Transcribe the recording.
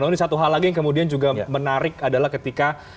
ini satu hal lagi yang menarik adalah ketika